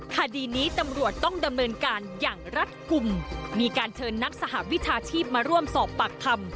คดีนี้ตำรวจต้องดำเนินการอย่างรัฐกลุ่มมีการเชิญนักสหวิชาชีพมาร่วมสอบปากคำ